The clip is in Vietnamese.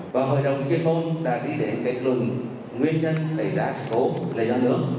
và hội đồng chuyên môn đã đi đến kết luận nguyên nhân xảy ra khổ lây do nước